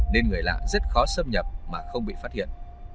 nên người lạ rất khó xâm nhập mà không bị phát hiện